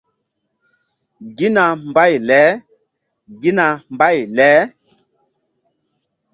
Gina mbay leGina mbay le.